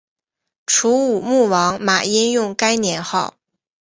楚武穆王马殷用该年号。